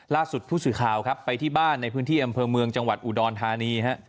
ล่าสุดผู้สื่อข่าวครับไปที่บ้านในพื้นที่อำเภอเมืองจังหวัดอุดรธานีฮะ